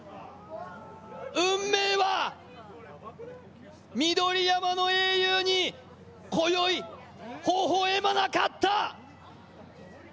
運命は緑山の英雄にこよい微笑まなかった。